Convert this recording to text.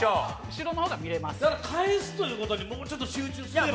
ただ返すということにもうちょっと集中すれば。